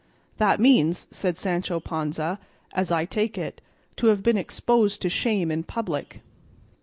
"That means," said Sancho Panza, "as I take it, to have been exposed to shame in public."